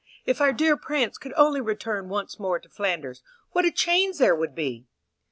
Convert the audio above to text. if our dear prince could only return once more to Flanders, what a change there would be!"